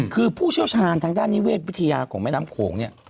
คือผู้เชี่ยวชาญทางด้านนิเวศวิทยาของแม่น้ำโขงเนี่ย